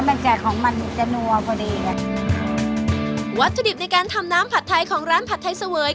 มันแจกของมันหมูจะนัวพอดีไงวัตถุดิบในการทำน้ำผัดไทยของร้านผัดไทยเสวย